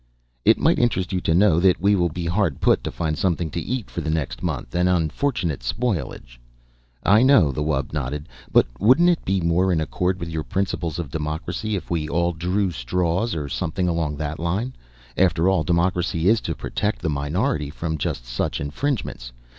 It might interest you to know that we will be hard put to find something to eat for the next month. An unfortunate spoilage " "I know." The wub nodded. "But wouldn't it be more in accord with your principles of democracy if we all drew straws, or something along that line? After all, democracy is to protect the minority from just such infringements.